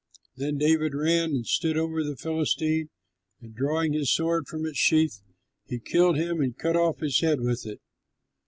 Then David ran and stood over the Philistine, and drawing his sword from its sheath, he killed him and cut off his head with it.